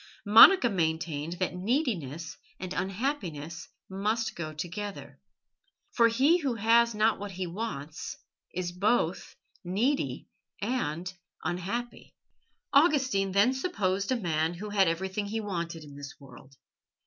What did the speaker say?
Monica maintained that neediness and unhappiness must go together. "For he who has not what he wants," she said, "is both needy and unhappy." Augustine then supposed a man who had everything he wanted in this world.